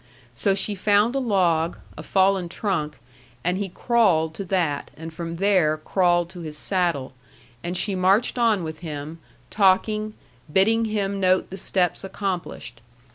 So she found a log, a fallen trunk, and he crawled to that, and from there crawled to his saddle, and she marched on with him, talking, bidding him note the steps accomplished.